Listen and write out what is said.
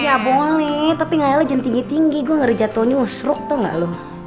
ya boleh tapi kaya lu jen tinggi tinggi gue ngerja toni musruk tau nggak lu